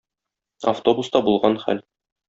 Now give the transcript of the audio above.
Автобуста булган хәл.